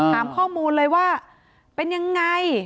ถามข้อมูลเลยว่าเป็นยังไง